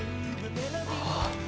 ああ。